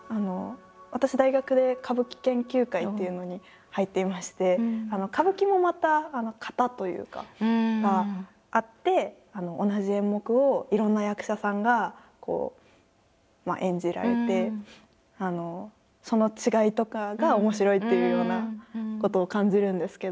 私大学で歌舞伎研究会っていうのに入っていまして歌舞伎もまた型というかがあって同じ演目をいろんな役者さんが演じられてその違いとかが面白いっていうようなことを感じるんですけど。